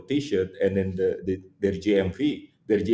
untuk t shirt dan jmv mereka